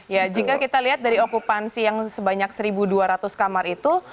ya jika kita lihat dari okupansi yang sebanyak satu dua ratus kamar itu